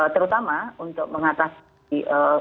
terutama untuk mengatasi